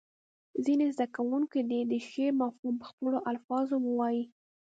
ځینې زده کوونکي دې د شعر مفهوم په خپلو الفاظو ووایي.